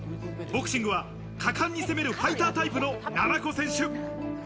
ボクシングは果敢に攻めるファイタータイプのなな子選手。